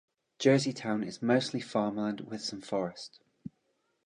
Jerseytown is mostly farmland with some forest.